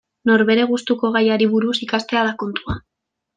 Norbere gustuko gaiari buruz ikastea da kontua.